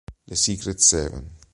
The Secret Seven